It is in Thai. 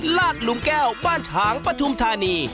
ลาดหลุมแก้วบ้านฉางปฐุมธานี